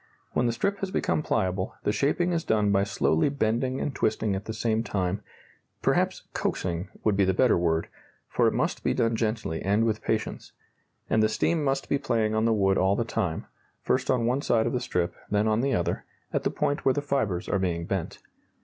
When the strip has become pliable, the shaping is done by slowly bending and twisting at the same time perhaps "coaxing" would be the better word, for it must be done gently and with patience and the steam must be playing on the wood all the time, first on one side of the strip, then on the other, at the point where the fibres are being bent.